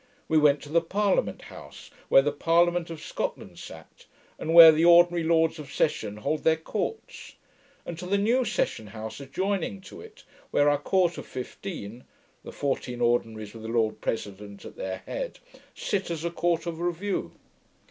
We went to the Parliament House, where the Parliament of Scotland sat, and where the Ordinary Lords of Session hold their courts; and to the New Session House adjoining to it, where our Court of Fifteen (the fourteen Ordinaries, with the Lord President at their head) sit as a court of Review.